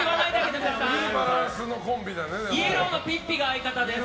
イエローのピッピです。